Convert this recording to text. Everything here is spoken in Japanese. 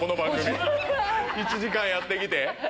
１時間やって来て。